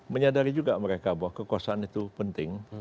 menyadari juga mereka bahwa kekuasaan itu penting